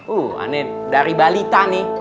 uh ane dari balita nih